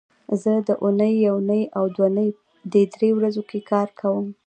زه د اونۍ یونۍ او دونۍ دې درې ورځو کې کار کوم